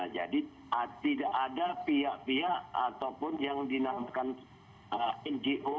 jadi tidak ada pihak pihak ataupun yang dinamakan ngo